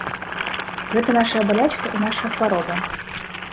Гэта нашая балячка і нашая хвароба.